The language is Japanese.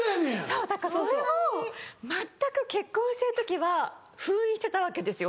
そうだからそれを全く結婚してる時は封印してたわけですよ